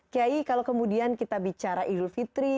kiai kalau kemudian kita bicara idul fitri